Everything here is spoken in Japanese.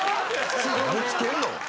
ぶつけんの？